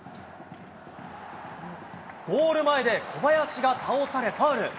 ゴール前で小林が倒され、ファウル。